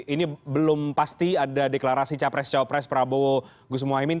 ini belum pasti ada deklarasi capres caopres prabowo gusmohamim